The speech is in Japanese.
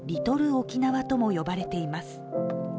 沖縄とも呼ばれています。